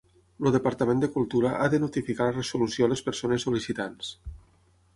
El Departament de Cultura ha de notificar la Resolució a les persones sol·licitants.